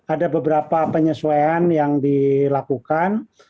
ada beberapa penyesuaian yang dilakukan